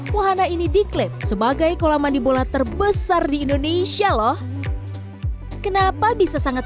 wahana ini diklaim sebagai kolam mandi bola terbesar di indonesia loh kenapa bisa sangat